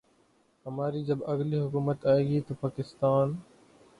ہماری جب اگلی حکومت آئے گی تو پاکستان